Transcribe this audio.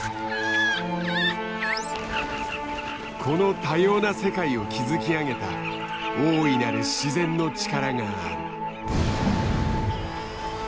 この多様な世界を築き上げた大いなる自然の力がある。